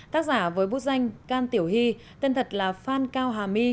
tác giả với bút danh can tiểu hy tên thật là phan cao hà my